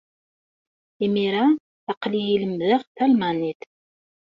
Imir-a, aql-iyi lemmdeɣ talmanit.